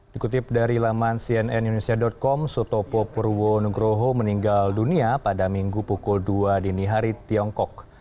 dikutip dari laman cnnunisia com suto popurwo nugroho meninggal dunia pada minggu pukul dua dini hari tiongkok